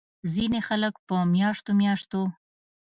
ځينې خلک پۀ مياشتو مياشتو